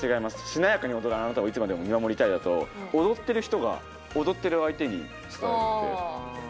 しなやかに踊るあなたをいつまでも見守りたいだと踊っている人が踊っている相手に近いので。